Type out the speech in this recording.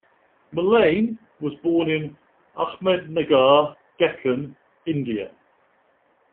Mullane was born in Ahmednagar, Deccan, India.